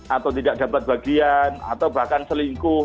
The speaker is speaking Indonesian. atau tidak dapat bagian atau bahkan selingkuh